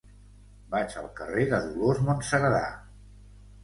Vaig al carrer de Dolors Monserdà.